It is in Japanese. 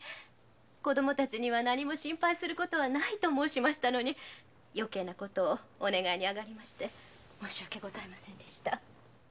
子供たちには何も心配する事はないと申しましたのに余計な事をお願いして申し訳ございませんでした。